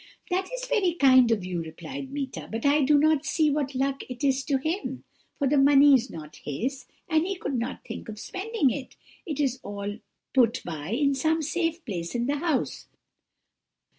"'That is very kind of you,' replied Meeta, 'but I do not see what luck it is to him, for the money is not his, and he could not think of spending it: it is all put by in some safe place in the house.'